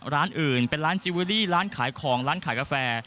ร้านอื่นเป็นร้านจิเวอรี่ร้านขายของร้านขายกาแฟ